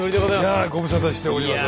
いやご無沙汰しております